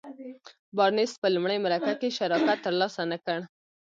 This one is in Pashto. بارنس په لومړۍ مرکه کې شراکت تر لاسه نه کړ.